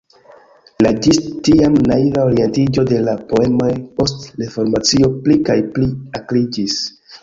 La ĝis tiam naiva orientiĝo de la poemoj post Reformacio pli kaj pli akriĝis.